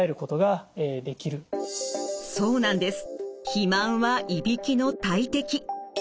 肥満はいびきの大敵！